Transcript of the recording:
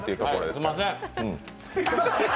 すんません。